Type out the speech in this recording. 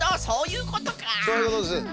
そういうことです。